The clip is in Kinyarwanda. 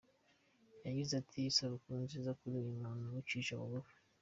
Yagize ati “Isabukuru nziza kuri uyu muntu wicisha bugufi.